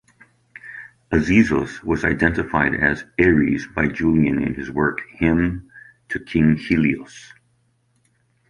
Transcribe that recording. Azizos was identified as Ares by Julian in his work 'Hymn to King Helios'.